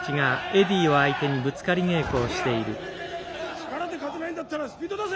力で勝てないんだったらスピード出せ！